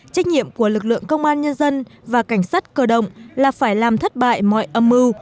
trách nhiệm của lực lượng công an nhân dân và cảnh sát cơ động là phải làm thất bại mọi âm mưu